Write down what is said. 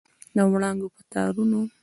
د وړانګو په تارونو